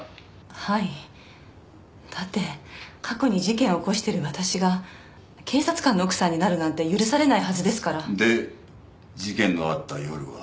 はいだって過去に事件を起こしてる私が警察官の奥さんになるなんて許されないはずですからで事件のあった夜は？